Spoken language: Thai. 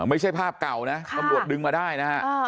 ไม่ใช่ภาพเก่านะตำรวจดึงมาได้นะฮะ